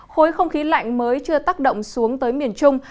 khối không khí lạnh mới chưa tác động xuống tới miền trung